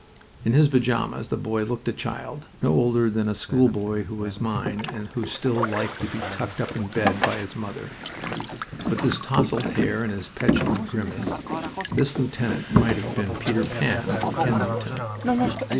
In his pajamas the boy looked a child, no older than a schoolboy who was mine and who still liked to be tucked up in bed by his mother. With his tousled hair and his petulant grimace, this lieutenant might have been Peter Pan, from Kensington.